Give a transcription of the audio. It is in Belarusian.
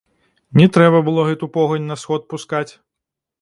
Не трэба было гэту погань на сход пускаць.